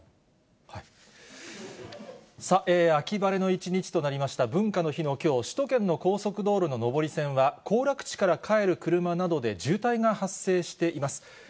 さあ、秋晴れの一日となりました、文化の日のきょう、首都圏の高速道路の上り線は、行楽地から帰る車などで渋滞が発生しています。